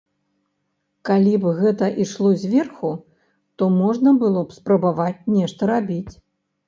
Калі б гэта ішло зверху, то можна б было спрабаваць нешта рабіць.